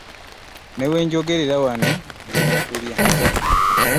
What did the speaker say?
Ne we njogerera wano ndi mu kulya.